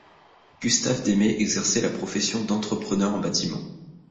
Gustave Demey exerçait la profession d'entrepreneur en bâtiments.